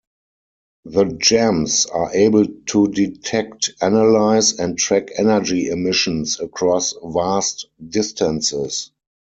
The gems are able to detect, analyze, and track energy emissions across vast distances.